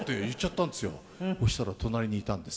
そしたら隣にいたんです。